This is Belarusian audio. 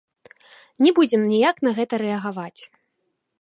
Не будзем ніяк на гэта рэагаваць.